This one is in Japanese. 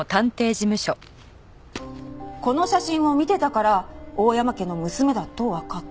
この写真を見てたから大山家の娘だとわかった。